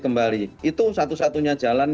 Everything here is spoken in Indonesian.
kembali itu satu satunya jalan